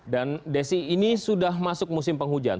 desi ini sudah masuk musim penghujan